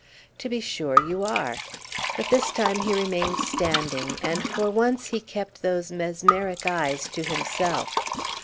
"To be sure you are." But this time he remained standing; and for once he kept those mesmeric eyes to himself.